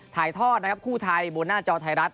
ถ่ายทอดนะครับคู่ไทยบนหน้าจอไทยรัฐ